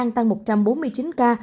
làng nghệ an tăng một trăm bốn mươi chín ca